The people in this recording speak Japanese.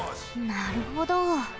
なるほど。